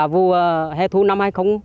vụ hè thu năm hai nghìn